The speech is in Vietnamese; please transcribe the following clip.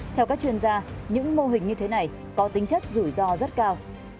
theo các chuyên gia những mô hình như thế này có tính chất rủi ro rất cao